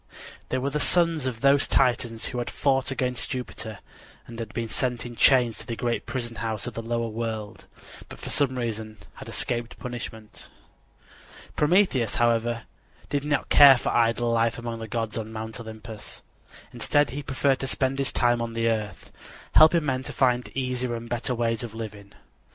They were the sons of those Titans who had fought against Jupiter and been sent in chains to the great prison house of the lower world, but for some reason had escaped punishment. Prometheus, however, did not care for idle life among the gods on Mount Olympus. Instead he preferred to spend his time on the earth, helping men to find easier and better ways of living.